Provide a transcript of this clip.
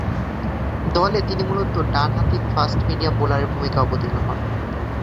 দলে তিনি মূলতঃ ডানহাতি ফাস্ট-মিডিয়াম বোলারের ভূমিকায় অবতীর্ণ হন।